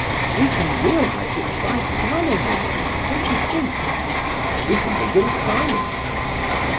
"We can realize it by dwelling on it, don't you think?" "We can begin climbing."